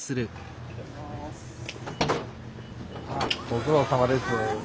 ご苦労さまです。